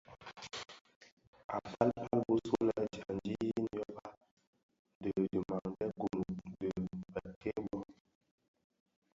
I pal pal bisulè dyandi yin yoba di dhimandè Gunu dhi bèk-kè bō.